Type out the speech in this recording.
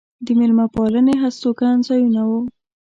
د مېلمه پالنې هستوګن ځایونه و.